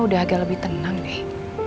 udah agak lebih tenang deh